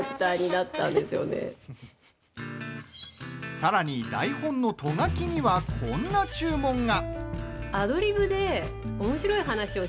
さらに、台本のト書きにはこんな注文が。